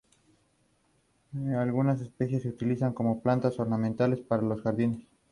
Se habían comprometido enormes deudas para comprar flores que ahora no valían nada.